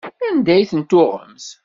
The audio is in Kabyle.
Anda ay ten-tuɣemt?